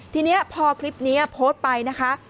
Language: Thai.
ทีนี้พอคลิปนี้โพสต์ไปนะคะ